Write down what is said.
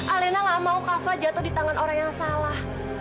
alena gak mau kava jatuh di tangan orang yang salah